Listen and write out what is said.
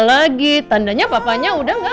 lagi tandanya papanya udah gak